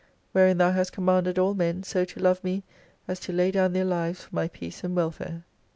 Wherein Thou hast commanded all men, so to love me, as to lay down their lives for my peace and welfare.